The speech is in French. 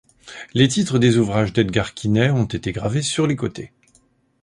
Les titres des ouvrages d'Edgar Quinet ont été gravés sur les côtés.